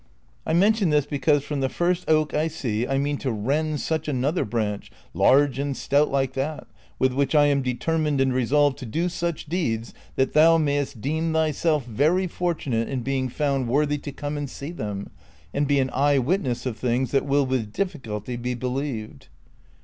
I mention this because from the first oak ^ I see I mean to rend such another branch, hirge and stout like that, with which I am determined and resolved to do such deeds that thou niayest deem thyself very fortunate in being found worthy to come and see them, and be an eye witness of things that will with difficulty be believed."